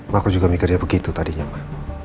ma aku juga mikir dia begitu tadinya ma